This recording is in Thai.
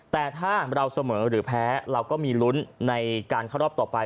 แต่ถ้าเราเสมอหรือแพ้เราก็มีลุ้นในการเข้ารอบต่อไป